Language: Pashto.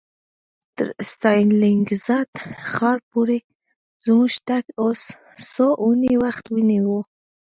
تر ستالینګراډ ښار پورې زموږ تګ څو اونۍ وخت ونیو